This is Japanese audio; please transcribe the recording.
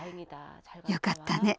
「よかったね